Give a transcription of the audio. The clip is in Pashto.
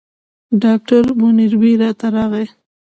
ډاکټر منیربې راته راغی.